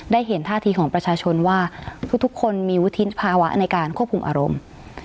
เห็นท่าทีของประชาชนว่าทุกคนมีวุฒิภาวะในการควบคุมอารมณ์